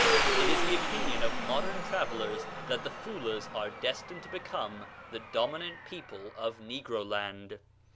It is the opinion of modern travellers that the Foolahs are destined to become the dominant people of Negro land.